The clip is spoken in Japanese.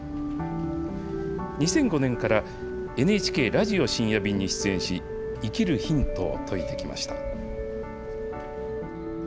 ２００５年からＮＨＫラジオ深夜便に出演し、生きるヒントを説いてきました。